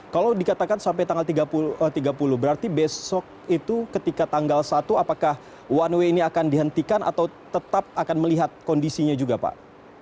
kalau dikatakan sampai tanggal tiga puluh berarti besok itu ketika tanggal satu apakah one way ini akan dihentikan atau tetap akan melihat kondisinya juga pak